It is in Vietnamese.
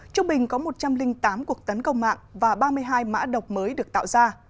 trung bình có một trăm linh tám cuộc tấn công mạng và ba mươi hai mã độc mới được tạo ra